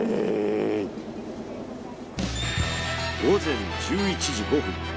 午前１１時５分。